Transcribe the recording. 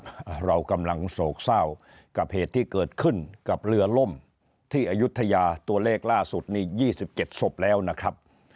เรากำลังโศกเศร้ากับเหตุที่เกิดขึ้นกับเรือล่มที่อายุทยาตัวเลขล่าสุดนี่ยี่สิบเจ็ดศพแล้วนะครับ